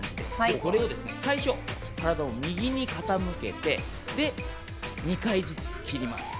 これを最初、右に傾けて２回ずつ切ります。